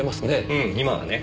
うん今はね。